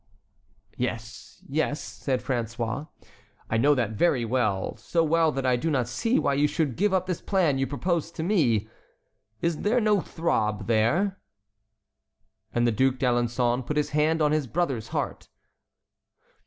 "Yes, yes," said François; "I know that very well, so well that I do not see why you should give up this plan you propose to me. Is there no throb there?" And the Duc d'Alençon put his hand on his brother's heart.